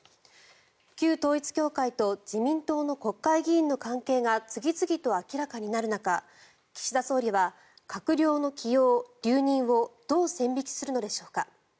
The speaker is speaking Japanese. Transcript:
旧統一教会と自民党の国会議員の関係が次々と明らかになる中岸田総理は閣僚の起用・留任をどう線引きするのでしょうか。